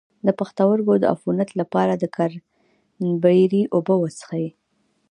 د پښتورګو د عفونت لپاره د کرینبیري اوبه وڅښئ